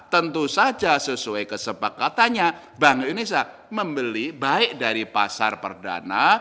tentu saja sesuai kesepakatannya bank indonesia membeli baik dari pasar perdana